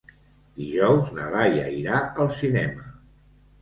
Dijous na Laia irà al cinema.